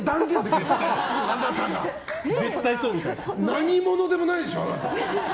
何者でもないでしょ、あなた。